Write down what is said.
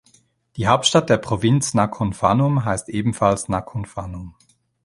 Die Hauptstadt der Provinz Nakhon Phanom heißt ebenfalls Nakhon Phanom.